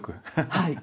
はい。